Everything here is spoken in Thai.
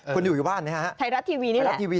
คุณอยู่ในบ้านเป็นไทยรัฐทีวี